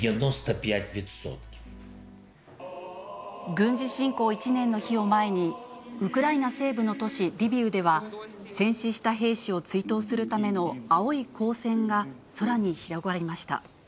軍事侵攻１年の日を前に、ウクライナ西部の都市リビウでは、戦死した兵士を追悼するための青い光線が空に広がりました。